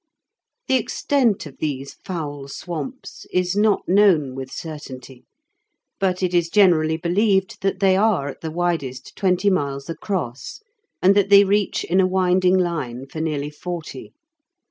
The extent of these foul swamps is not known with certainty, but it is generally believed that they are, at the widest, twenty miles across, and that they reach in a winding line for nearly forty.